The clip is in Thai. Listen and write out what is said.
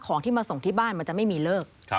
ที่มาส่งที่บ้านมันจะไม่มีเลิก